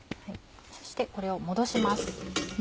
そしてこれを戻します。